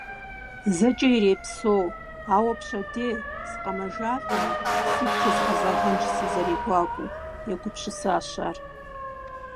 ЗэкӀэ ирепсэу, ауэ пщэдей, сыкъэмэжалӀэмэ, сигу тезгъэзэгъэнщ сызэрегуакӀуэу, - егупсысащ ар.